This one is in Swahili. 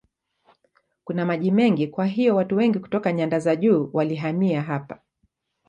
Kuna maji mengi kwa hiyo watu wengi kutoka nyanda za juu walihamia hapa.